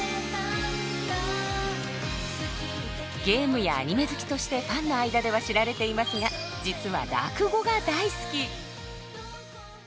ゲームやアニメ好きとしてファンの間では知られていますが実は落語が大好き！